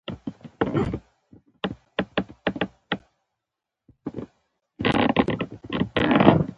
د علمي تحقیقاتو ملاتړ د نوي کاروبارونو د جوړولو لامل کیږي.